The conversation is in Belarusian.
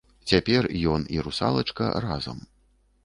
Цяпер ён і русалачка разам.